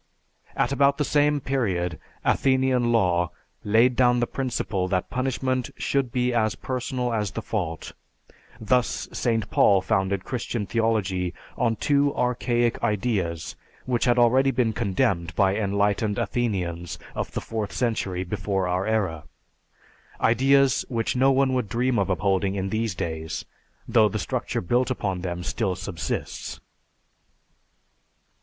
At about the same period Athenian law laid down the principle that punishment should be as personal as the fault, thus St. Paul founded Christian Theology on two archaic ideas which had already been condemned by enlightened Athenians of the fourth century before our era, ideas which no one would dream of upholding in these days, though the structure built upon them still subsists."